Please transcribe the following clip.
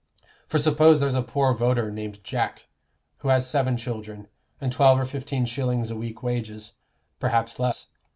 For suppose there's a poor voter named Jack, who has seven children, and twelve or fifteen shillings a week wages, perhaps less.